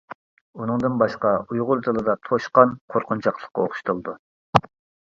ئۇنىڭدىن باشقا، ئۇيغۇر تىلىدا توشقان قورقۇنچاقلىققا ئوخشىتىلىدۇ.